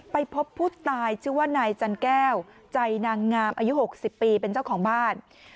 พบผู้ตายชื่อว่านายจันแก้วใจนางงามอายุ๖๐ปีเป็นเจ้าของบ้าน